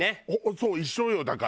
そう一緒よだから。